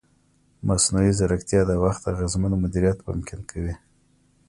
مصنوعي ځیرکتیا د وخت اغېزمن مدیریت ممکن کوي.